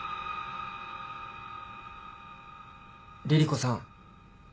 凛々子さん